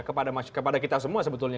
kepada kita semua sebetulnya